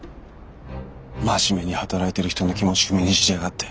真面目に働いてる人の気持ち踏みにじりやがって！